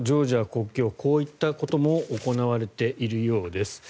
国境こういったことも行われているようです。